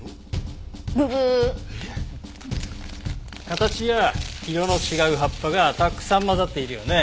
形や色の違う葉っぱがたくさん混ざっているよね。